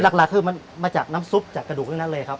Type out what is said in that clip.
หลักคือมันมาจากน้ำซุปจากกระดูกทั้งนั้นเลยครับ